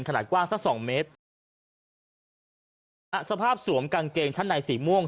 ขนาดกว้างสักสองเมตรนะฮะสภาพสวมกางเกงชั้นในสีม่วง